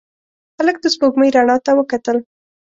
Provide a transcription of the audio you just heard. هلک د سپوږمۍ رڼا ته وکتل.